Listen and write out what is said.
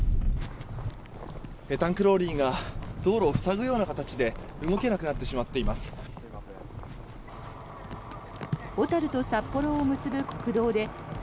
タンクローリーが道路を塞ぐような形で動けなくなってしまっています。